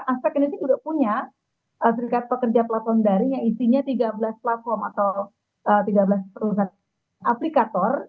aspek industri juga punya serikat pekerja platform daring yang isinya tiga belas platform atau tiga belas perusahaan aplikator